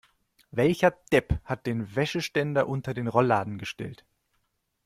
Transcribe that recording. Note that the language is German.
Welcher Depp hat den Wäscheständer unter den Rollladen gestellt?